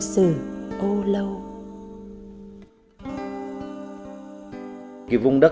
sống chìm sống nổi